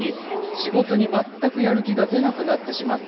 仕事に全くやる気が出なくなってしまった。